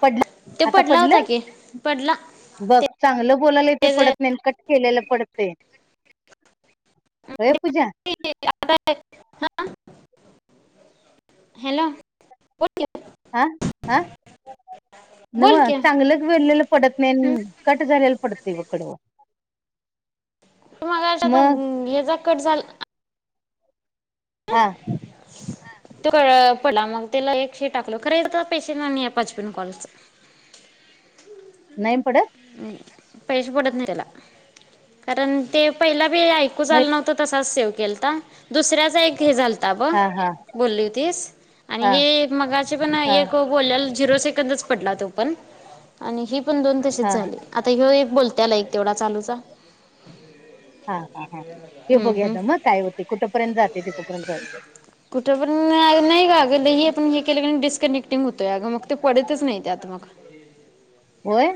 पडलं, ते आता पडला होता पडलं? की पडला बघ ते चांगलं बोलायला ते पडत नाही आणि कट केलेलं पडतय. [unintelligible] हॅलो- बोल [unintelligible] आं? आं - बोल नव्ह की हं. चांगलं वेळलेलं पडत नाहीन कट झालेलं पडतंय. ते [unintelligible] [unintelligible] कट झाला. हा. तो पडला, मग त्याला एक हे टाकल खरं एक पण पैशै नाही आल पाच पन कॉलच. नाही पडत? पैसे पडत नाही त्याला, कारण ते पहिला- नाही ऐकूच मग आल नव्हंत तसाच सेव केलता. दुसऱ्याचा एक. ते झाल. थांब ह हा हा बोलली होतीस आणि हा हे एक मगाशी पण हा एक बोललेलं झिरो सेकंद प तो प [unintelligible] पण दोन तशी हा झाली आता ह्या एक बोलत्याला एक तेवढा चालूचा. हा हा हा हे हम्म, हम्म. बघूयाता मग काय होते कुठपर्यंत जातय. कुठं पण नाही [unintelligible] का ग लही आपण हे केलं. डिस्कनेक्टिंग होतोय. आग मग ते पडतच नाही त्यात मग होय.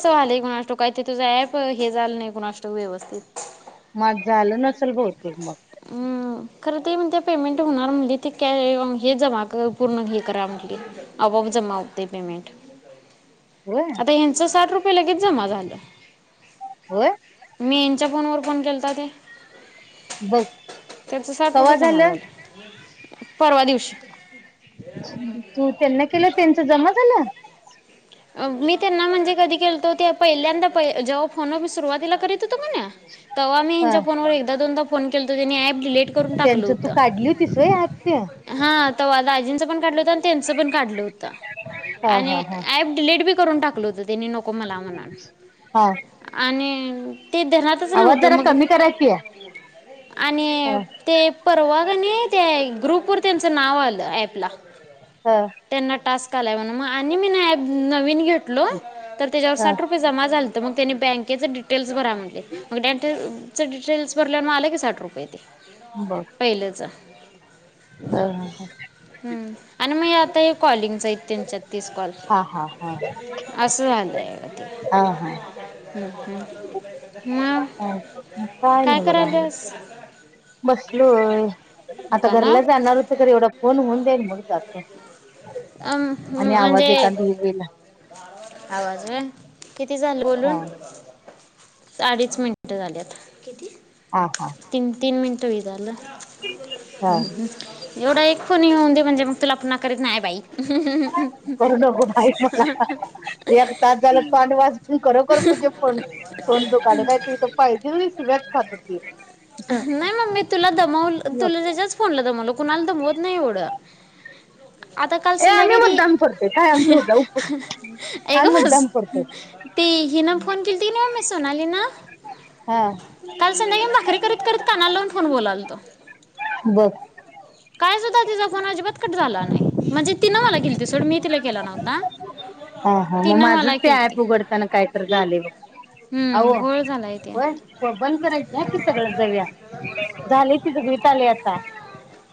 काय झाले कुणास ठाऊक काय तिथे जाय हे कुणास ठाऊक व्यवस्थित. मग झालं नसेल बहुतेक मग हम्म खरं ते म्हण पेमेंट होणार म्हणली ते हे जमा पूर्ण हे करा म्हटली आपोआप जमा होतेय पेमेंट होय आता इनस साठ रुपये. लगेच जमा झालं. व्हय. मी हेनच्या फोनवर फोन केलता ते बर. त्याचं साठ रुपये जामा झालं. परवा दिवशी. तू त्यांना केलं त्यांचा जमा झाल. [inaudible] मी त्यांना म्हणजे कधी केलतो ते पहिल्यांदा प जेव्हा फोन मी सुरुवातीला करीत, तवा मी यांच्या ह फोनवर एकदा दोनदा फोन केलता त्यांनी डिलीट करून टाकलं त्यांचं तू काढली होतीस व्हय ॲप ते हा तवा दाजींच तेचं पण काढलं होतं हा हा आणि हा ॲप डिलीट बी करून कल होत त्यांनी नको मला म्हणाले. हा. आणि ते धेनातच आवाज नव्हतं जरा मग कमी करा की आणि हा ते परवागणी ते ग्रुप वर त्यांचं नाव आलं ऍपला हा तेंना टास्क आणि मीनं ॲप नवीन घेतलो. तर त्याच्यावर हा साठ रुपये जमा झाले. तर मग त्यानी बँकेच डिटेल्स भरा म्हणतयं मग बॅकेचं डिटेल्स भरल्यावर आलं की साठ रुपये ते. बर पहिलंच. हा हम्म आणि मग आता हे कॉलिंगचा आहे तेनच्यात तीस कॉल हा हा असं व्हालय अगं ते. हा हा [inaudible] काय काय नाही बघा करायल्यास बसलोय. आता घरला दुकानात जाणार कसातरी एवढा फोन हुंदे आणि मग जातो. अ आणि म्हणजे आवाज एखादी होईल आवाज व्हयं. किती झाल हा बोलून? अडीच मिनिट झाल्यात. किती? हा हा तीन तीन मिन - - टवी झालं हा हम्मम्. एवढा एक फोन येऊन दे म्हणजे मग तुला पुन्हा करीत नाही बाई. ह ह. करू नकोस बाई पुन्हा एक तास झालं तोंड वाजवुन खरोखर पुझे तोंड दुकालं बाई तुपाहिजे शिव्या खात - - ठी. नाही मम्मे तुला दमवलं तुज्याचं फोनला दमवलं कुणाला दमवत नाही एवढं आता काल ए आम्ही संध्याकाळी ती - - मुद्दाम करतोय काय आमचं उद्या उपट ए हा ग बस मुद्दाम करतोय ती हिन फोन केलती कनी मम्मे सोनाली नं हा काल संध्याकाळी मी भाकरी करत करत कानाला लावून फोन बोलालतो. बघ काल सुद्धा तिचा फोन अजिबातकट झाला नाही. म्हणजे - - हं हं मग तिनं माझ मला ते केलती ॲप उघडताना कायतर झालय ब आओ हम्म घोळ झालाय ते होय बंद कराकी घ्याकी सगळं जाऊया झाल की तिचहुत आलं आता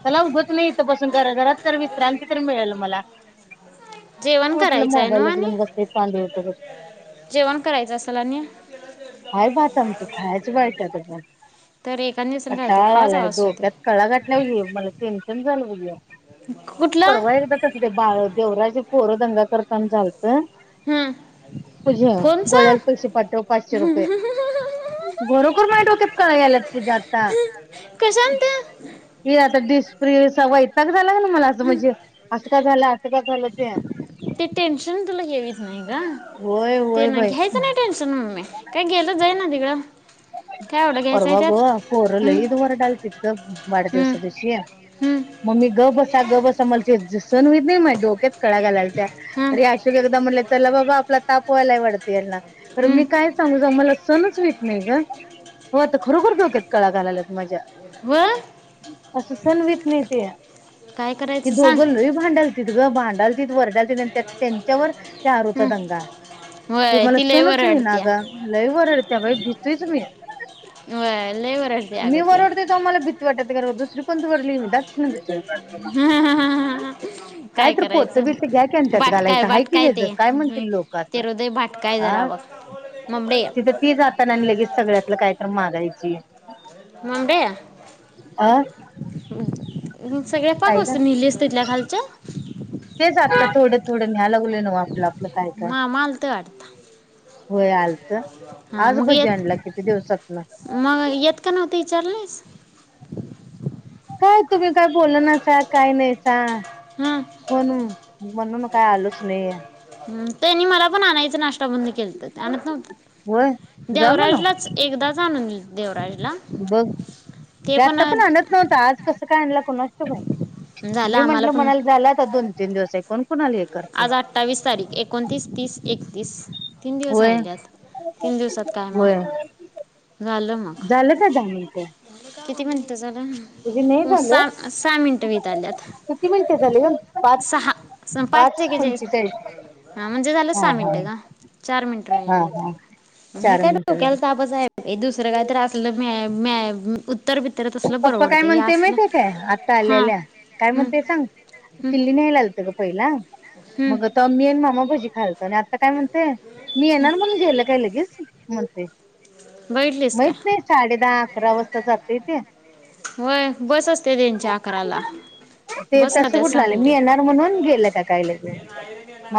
चला उगचं कोण हाय बसून घरा घरात. तर विश्रांती तर मिळेल मला. जेवण उठलं करायचंय नव्हं मोबाईलच आणि घेऊन बसते पांडे होत जेवण करायचं असेल आणि - - हाय भात आमटी. खायच बाई आहे ते. तर एखाद दिवसानं काय होते कटाळा खावाच आलाय आवाज डोक्यात होते कळा घाटल्यात म् त्येन [unintelligible] कुठला परवा एकदा तर ते बाळं देवराजची पोरं दंगा करताना झालं अं हम्म पुजा, फोनचा गोळ्याला पैसे पाठव पासशे रुपये. बरोबर माझ्या डोक्यात कळा यायल्यात पुजाक्का. कशान ते हे आता दिस. प्रियेचा वैतागच. चला न मला म्हणजे असं का झालं, असं का झालं ते ते टेन्शन तुला घेवीच नाही का व्हय ते व्हय ना बाई. घ्यायचं नाही टेन्शन मम्मी काय गेला जाई ना तिकड परवा ग पोर हं, लईच वरडालत ग हं, वाढदिवसा दिवशी हं, मम्मी गबसा गबसा म्हला सन होत नाही मा डोक्यात कळा घालायला त्या हं, तरी अशोक एकदा म्हटले चला बाबा आपला तापवायलाय वाटतं याना कारण हं. मी काय सांगू जा मला सणच वहिना नाही ग हो आता खरोखर धोक्यात कळा घालायलात माझ्या. व असं सणवित नाही ते काय कि करायचं सांग दोघं लही भांडाल तीत ग भांडाल तितकं वरडाल ते त्यांच्यावर त्या आारूचा हं. दंगा ते वय मला ती लय सणच वहिना अग मला लई वरडत्या बाई. मी व्हय लय. वरडते मी अगं त्या वरवडते तवा मला भीती वाटत नाही कारणदुसरी पणरली म द ना त काय तर पोतं बीथ घ्या कच्यात बाटकाय गालायथ हय की बाटकाय घज ते काय म्हणतील लोक ते असं हृदय भाटकाय अ जरा बघ ममडे तिथं ती जाताना आणि लगेच सगळ्यातलं कायत मागायची. ह [unintelligible] मुमबेअ. अर सगळ्या पाक असत मिळेस तिथल्या खालच्या. तेच आता थोडं थोडं ग ना आप आपलं काय का मामा आलतं वाटतं होय आलत हां आज मग बजी आणला येत किती दिवसात मग येत का नव्हत विचारल नाहीस. काय तुम्ही काय बोल ना नाहीसा काय नाही सा हां म्हणून म्हणून काय आलोच नाही. त्यांनी मला पण आणायचं नाष्ट आता बंद केलंत आणत होय नव्हत जा म्हण देवराजलाच एकदाच आणून दिल. देवराज बघ! हे आता पण आणत नव्हत. आज कसं काय आणलं कोणास झालं मी आम्हाला म्हटलं पण म्हणायला झालं आसल दोन तीन दिवस ये. आज अठ्ठावीस तारीख एकोणतीस, तीस, एकतीस तीन दिवस होय राहिलेत. तीन दिवसात काय म होय झालं मग झालं किती मिन्टं झाल म्हजे नाही झाले वीत आल्यात किती मिनटे झाले ग पाच. सहा स- पाच टेके जेस हां म्हणजे झालं सहा हा हा मिनटं गा चार मिनटं हा राहिल्यात, हा हे चार काय मिनिटं डोक्याल तापच आय ए दुसरं काय तर असलं मॅ-मॅ म उत [unintelligible] पप्पा काय म्हणते माहितंय काय, आत्ता हां आल्याआल्या काय हं, म्हणते, सांग हं, किल्ली न्यायला आलतं गं पहिला‌‌ हं. मग आता मी न मामा ब खालता आनी आत्ता काय म्हणतंय मी येणार, म्हणून गेलं काय लगेच? मते! बघितलीस का महित नाही साडे दहा अकरा वसता जातय त्या. वय बस असते त्यांची अकराला ते बस ना तस त्यात कुठलं आलय, मी सांगली येणार म्हणून गेला का कायला घेऊ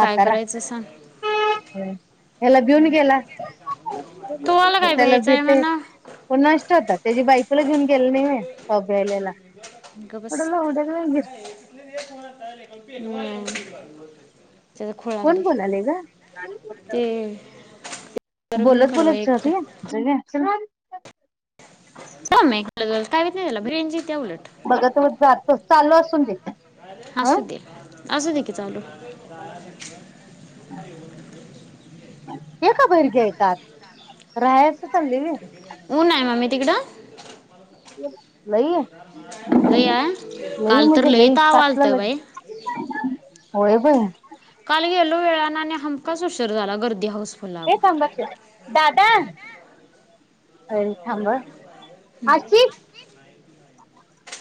काय करायचं सांग त्याला भिऊन गेला तुम्हाला काय त्याला भ्यायचंय भितय म्हणा नष्ट होता त्याची बायकोला घेऊन [inaudible] ए सभ्यालेला. गब बस, हम. [unintelligible] कोण बोलालय गं? ते तर पण बोलत, कडवं बोलत एकट जातोया. जग्या चल. हो मी काय व्हयत नाही त्याला ब्रेन जी [unintelligible] बघंत तो जातो, चालू असून दे, असू हं! दे असू दे की चालू. ए का भैरग्याय चात राहायास तु चांल्ली व्हयं. ऊन आहे मम्मी तिकडं लई लई आय, काल तर म्हणजे लई सातला तावालतं लग बाई. होय बं काल गेलो वेळानं आणि हमखास उस् ए थांबा की, दादा ए थांब आ आशी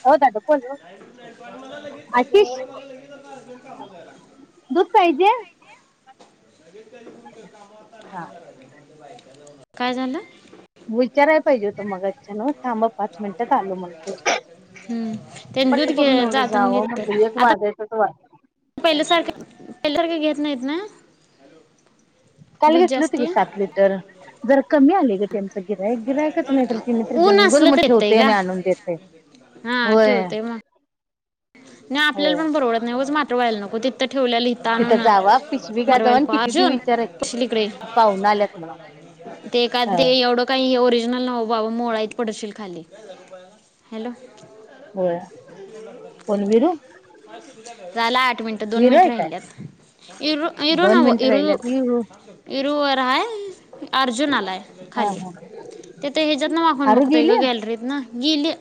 ओ दाद नाही, नाही पण मला लगेच का गु मला लगेच अर्जन्ट कामाला जायला लागतय दूध पाहिजे [unintelligible] हा [unintelligible] काय झालं? विचारयला पाहिजे होत, मगच्यान थांबा पाच मिनिटात आलो म्हणतो. हूं तेनं पट्ट दूध घे करून एवढं जाताना जावं घेतय म्हटलं एक आता वाजायचंच वाट पहिल्या सारख पहिल्या सारख घेत नाहीत ना काल दूध घेतलं होतं की जास्ती सात लिटर जर कमी आलय. ते त्यांचं गिरायक बिरायकच नाही तर तेन्ही तरी ऊन मग असलं उगच तर येतंय ठेवतय ग आणि आणून देतय होय. नाय आपल्याला होय पण परवडत नाय उगच मात् व्हायला नको. तिथ ठेवल्याल हित आणून तिथं जावा पिशवी घ्या जावा मरवायला आणि का किती देऊ अर्जुन विचारा की पडशील इकडे ये पाहुन आल्यात म्हणा ते का हा ते एवढं काही हे ओरिज [unintelligible] बाबा मोळ आहेत पडशील खाली हॅलो [inaudible] होय कोण विरू झाल आठ मिनिट दोन विरू मिनिट आहे काय राहिल्यात. इरू इरू दोन नव्ह मिनिटं इरू राहिल्यात विरू इरु वर हाय. अर्जुन आलाय हा खाली हा ते त्या ह्याज्यातना वाकुन आरू बघतो ग गेली हा गॅलरीतना गेली.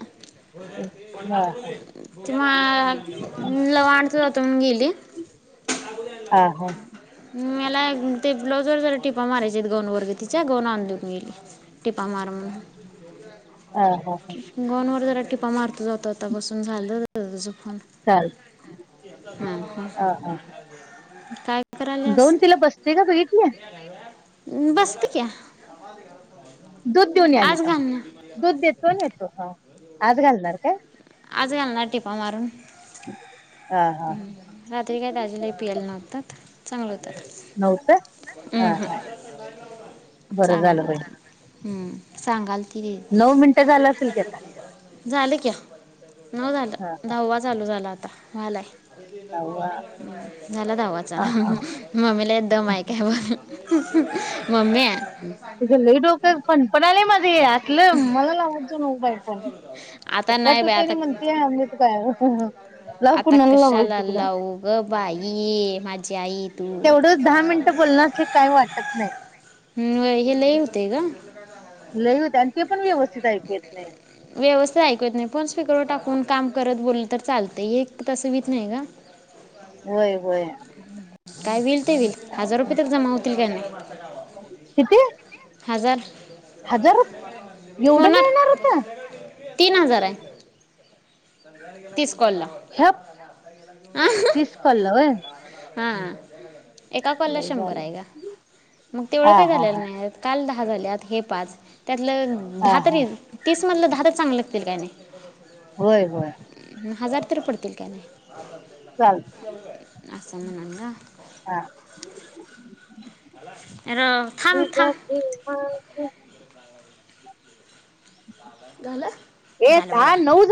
[unintelligible] हा लवाणडत होतं म्हणून गेली. हा मला ते ब्लाऊजवर जरा टिपा मारायचेत गाऊन वर ग तिच्या गाऊन आणून देऊन गेली टिपा मार म्हणून हा हा गाऊन वर जरा तिच्या टिपा मारतो जातो आता बसून झालं. चाल [unintelligible] हा हा काय कराल्यास? जाऊन तिला बसते का बघितली अं बस दूध देऊन यायली आज थांब घालणार दूध देतो आणि येतो हा आज घालणार काय? आज घालणार टीपा मारून. [inaudible] हं हा रात्री काय दाजी लय प्यायल नव्हतं चांगलं होतं. नऊ का हा अहं हा बरं चांगलं झालं बाई होत. हूं सांगाल की, नऊ मिनिटं झालं असेल की आता झालं क्या नऊ झालं हा हा दहावा चालू झाला आत व्हालाय. नववा झाला दहावा हा हा चालू मम्मीला एक दम हाय काय बग मम्मे पूजा लई डोक आज फनफनालय माझं. वेळात लं मला लावत जाऊ नको बाई फोन ते आता कट नाही बाई व्हतय आणि आता म्हणतीया आमी इथं काय अ हं हं लाव आता कुणाला लावायच कशाला तिकडं. लावू ग बाई माझी आई तू तेवढंच दहा मिनिटं बोलण असलं कि काय वाटत नाही. तेघ लई हुतंय आणि ते पण व्यवस्थित ऐकू येत नाही. व्यवस्थित ऐकु येत नाही फोन स्पीकरवर टाकून काम करत बोलल तर चालतंय हे तसं व्हतं नाही ग. व्हय व्हय काय होईल ते होईल हजार रुपये तर जमा होतील काय नाही किती हजार हजार एवढं होणार मिळणार होत? तीन हजार आहे. तीस कॉल ला ह्या अ ह तीस कॉलला होय हा एका कॉलला लई शंभर झालं आहे ग मग तेवढं हा काय हा झालेलं हा नाहीये काल दहा दहा झाल्यात हे पाच त्यातलं हा दहा हा तरी तीस मधलं दहा तर चांगलं होतील काय नाही. होय होय अ हजार तर पडतील. काय नाय. चालतय. अस म्हणाला. हा. रव थांब तुझ्या थांब. प्रेमात झालं ए झालं बाबा. दहा नऊ झाले